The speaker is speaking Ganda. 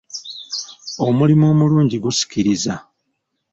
Omulimu omulungi gusikiriza.